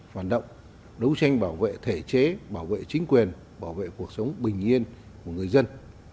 phản động đấu tranh bảo vệ thể chế bảo vệ chính quyền bảo vệ cuộc sống bình yên của người dân